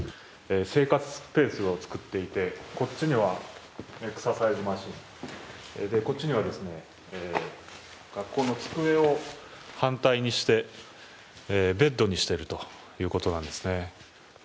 生活スペースを作っていて、こっちにはエクササイズマシーン、こっちには学校の机を反対にしてベッドにしているということなんですね。